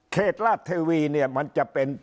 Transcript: เขตรัสทีวีเนี่ยมันจะเป็น